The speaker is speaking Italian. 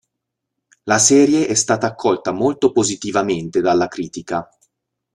La serie è stata accolta molto positivamente dalla critica.